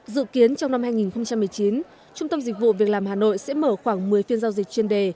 dự kiến trong năm hai nghìn một mươi chín trung tâm dịch vụ việc làm hà nội sẽ mở khoảng một mươi phiên giao dịch chuyên đề